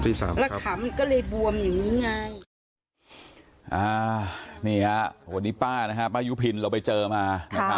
ติดเตียงได้ยินเสียงลูกสาวต้องโทรศัพท์ไปหาคนมาช่วย